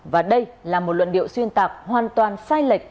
và đây là một luận điệu xuyên tạc hoàn toàn sai lệch